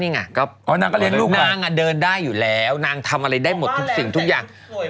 นางอะเดินได้อยู่แล้วนางทำอะไรมดอันทุกอย่าง